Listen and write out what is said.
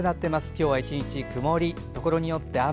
今日は１日曇りところによって雨。